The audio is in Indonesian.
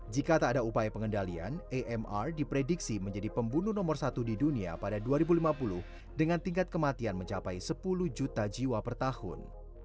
jika tak ada upaya pengendalian amr diprediksi menjadi pembunuh nomor satu di dunia pada dua ribu lima puluh dengan tingkat kematian mencapai sepuluh juta jiwa per tahun